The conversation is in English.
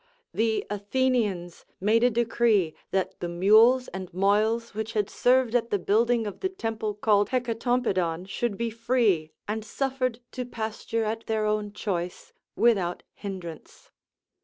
The Athenians made a decree that the mules and moyls which had served at the building of the temple called Hecatompedon should be free and suffered to pasture at their own choice, without hindrance.